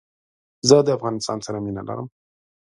زه دافغانستان سره مينه لرم